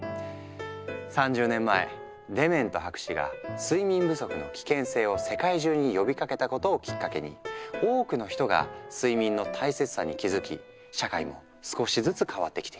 ３０年前デメント博士が睡眠不足の危険性を世界中に呼びかけたことをきっかけに多くの人が睡眠の大切さに気付き社会も少しずつ変わってきている。